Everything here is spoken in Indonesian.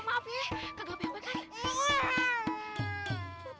maaf ya kagak bebek